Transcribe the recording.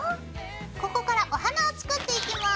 ここからお花を作っていきます。